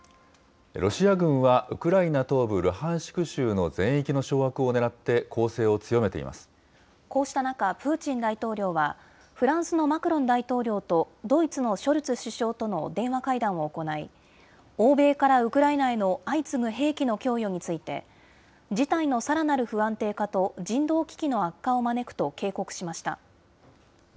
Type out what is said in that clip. ロシア軍は、ウクライナ東部ルハンシク州の全域の掌握をねらって、こうした中、プーチン大統領は、フランスのマクロン大統領とドイツのショルツ首相との電話会談を行い、欧米からウクライナへの相次ぐ兵器の供与について、事態のさらなる不安定化と、人道危機の悪化を招くと警告しました。